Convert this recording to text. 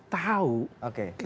maksud saya mereka tahu